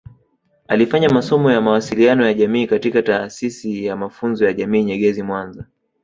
Alifanya masomo ya mawasiliano ya jamii katika Taasisi ya mafunzo ya jamii Nyegezi mwanza